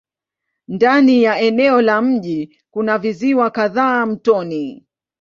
Ndani ya eneo la mji kuna visiwa kadhaa mtoni.